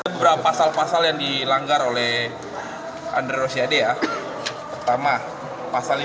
beberapa pasal pasal yang di